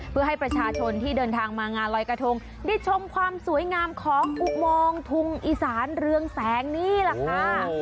เพื่อให้ประชาชนที่เดินทางมางานลอยกระทงได้ชมความสวยงามของอุโมงทุงอีสานเรืองแสงนี่แหละค่ะ